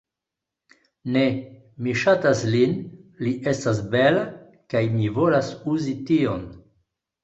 Ne! Mi ŝatas lin, li estas bela kaj mi volas uzi tion.